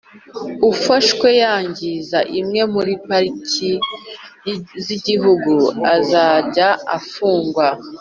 Ufashwe yangiza imwe muri Pariki z’Igihugu azajya afungwa